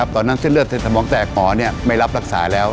ตอนนั้นเส้นเลือดสมองแตกหมอไม่รับรักษาแล้ว